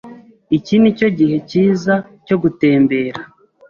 Iki nicyo gihe cyiza cyo gutembera.